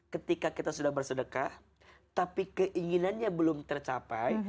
ketika kita sudah bersedekah tapi keinginannya belum tercapai